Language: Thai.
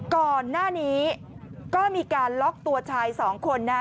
ก่อนหน้านี้ก็มีการล็อกตัวชายสองคนนะฮะ